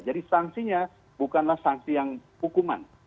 jadi sanksinya bukanlah sanksi yang hukuman